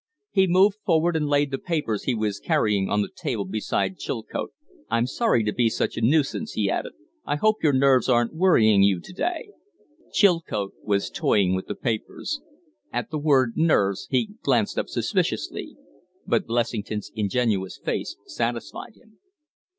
He moved forward and laid the papers he was carrying on the table beside Chilcote. "I'm sorry to be such a nuisance," he added. "I hope your nerves aren't worrying you to day?" Chilcote was toying with the papers. At the word nerves he glanced up suspiciously. But Blessington's ingenuous face satisfied him.